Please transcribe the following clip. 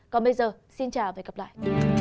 còn bây giờ xin chào và hẹn gặp lại